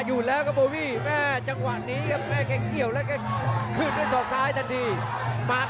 ไปล่าสุดที่เสมอกับนักชกญี่ปุ่นอย่างโยเนดาเทศจินดาแต่ไปปลายแซงเกือบผ่านครับ